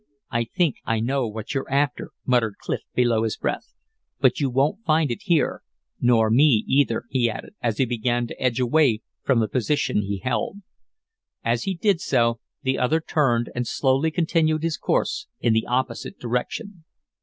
"I think I know what you're after," muttered Clif below his breath. "But you won't find it here; nor me, either," he added, as he began to edge away from the position he held. As he did so, the other turned and slowly continued his course in the opposite direction.